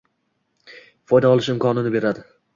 foyda olish imkonini beradi.